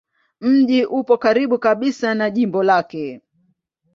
Mji upo karibu kabisa na jimbo lake.